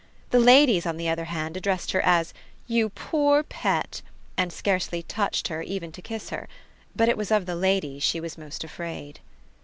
The ladies on the other hand addressed her as "You poor pet" and scarcely touched her even to kiss her. But it was of the ladies she was most afraid.